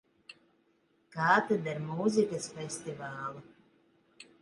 Kā tad ar mūzikas festivālu?